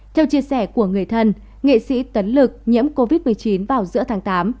theo chia sẻ của người thân nghệ sĩ tấn lực nhiễm covid một mươi chín vào giữa tháng tám